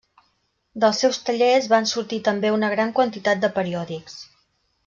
Dels seus tallers van sortir també una gran quantitat de periòdics.